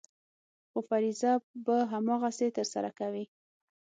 خو فریضه به هماغسې ترسره کوې.